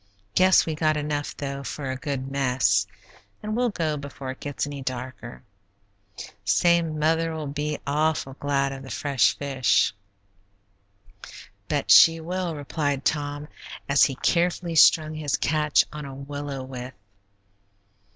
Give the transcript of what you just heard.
Guess we got enough, though, for a good mess, and we'll go before it gets any darker. Say, mother'll be awful glad of the fresh fish." "Bet she will," replied Tom, as he carefully strung his catch on a willow withe.